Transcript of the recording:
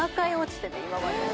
今までに。